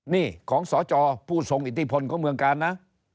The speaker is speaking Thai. นี่ของสจผู้ทรงอิทธิพลของเมืองกาลนะ